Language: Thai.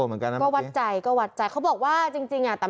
เหมือนกันนะก็วัดใจก็วัดใจเขาบอกว่าจริงจริงอ่ะแต่